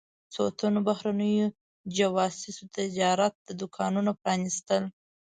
څو تنو بهرنیو جواسیسو د تجارت دوکانونه پرانیستل.